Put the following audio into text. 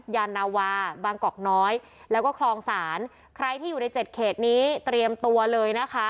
ยานาวาบางกอกน้อยแล้วก็คลองศาลใครที่อยู่ในเจ็ดเขตนี้เตรียมตัวเลยนะคะ